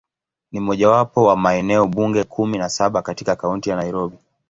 Ni mojawapo wa maeneo bunge kumi na saba katika Kaunti ya Nairobi.